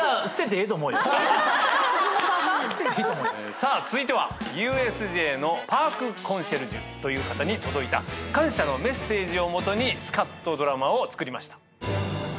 さあ続いてはＵＳＪのパーク・コンシェルジュという方に届いた感謝のメッセージを基にスカッとドラマを作りました。